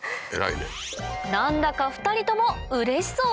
何だか２人ともうれしそう？